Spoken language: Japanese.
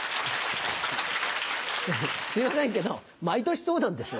すいませんけど毎年そうなんです。